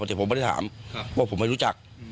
แต่ผมไม่ได้ถามว่าผมไม่รู้จัก